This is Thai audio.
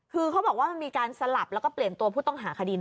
คือเขาบอกว่ามันมีการสลับแล้วก็เปลี่ยนตัวผู้ต้องหาคดี